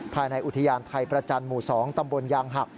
ภายในอุทยานไทยประจันทร์หมู่๒ตำบลยางหัก